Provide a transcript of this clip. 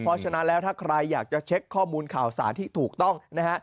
เพราะฉะนั้นแล้วถ้าใครอยากจะเช็คข้อมูลข่าวสารที่ถูกต้องนะฮะ